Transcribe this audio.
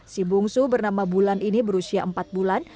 si bungsu bernama bulan ini berusia empat bulan